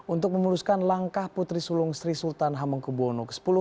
untuk memuluskan langkah putri sulung sri sultan hamengkubwono x